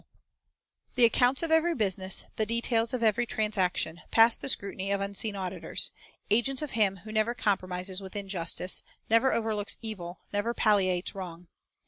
i44 The Bible as an Educator The accounts of every business, the details of every transaction, pass the scrutiny of unseen auditors, agents of Him who never compromises with injustice, never overlooks evil, never palliates wrong.